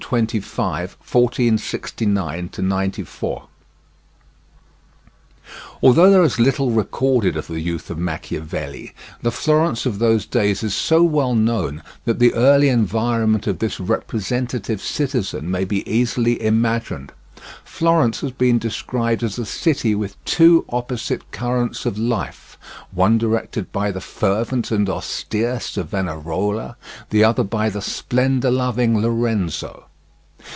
1 25—1469 94 Although there is little recorded of the youth of Machiavelli, the Florence of those days is so well known that the early environment of this representative citizen may be easily imagined. Florence has been described as a city with two opposite currents of life, one directed by the fervent and austere Savonarola, the other by the splendour loving Lorenzo.